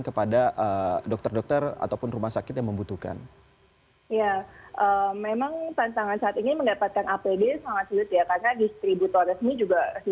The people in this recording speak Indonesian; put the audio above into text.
kepada dokter dokter ataupun rumah sakit yang membutuhkan ya memang tantangan saat ini mendapatkan apd